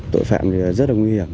tội phạm thì rất là nguy hiểm